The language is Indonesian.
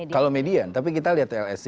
kalau median tapi kita lihat lsi